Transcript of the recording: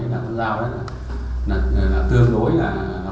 con dao đó là tương đối là